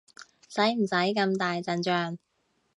使唔使咁大陣仗？